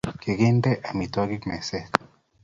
Kikintene amitwogik meset.